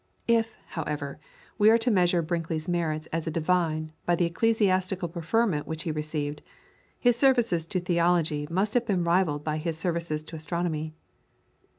If, however, we are to measure Brinkley's merits as a divine by the ecclesiastical preferment which he received, his services to theology must have rivalled his services to astronomy.